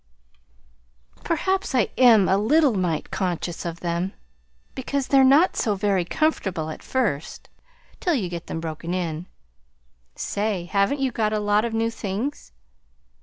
"Perhaps I am a little mite conscious of them, because they're not so very comfortable at first, till you get them broken in. Say, haven't you got a lot of new things?"